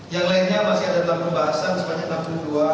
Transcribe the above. yang lainnya masih ada dalam pembahasan sebanyak enam puluh dua